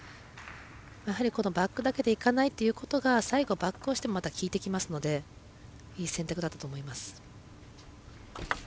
このバックだけでいかないということが最後、バックをしてもまた、きいてきますのでいい選択だったと思います。